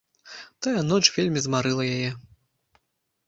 Тая ноч вельмі змарыла яе.